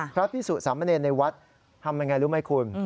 พระพิสุสามเนรในวัดทำยังไงรู้ไหมคุณ